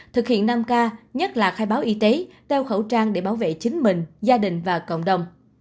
thực hiện năm k nhất là khai báo y tế đeo khẩu trang để bảo vệ chính mình gia đình và cộng đồng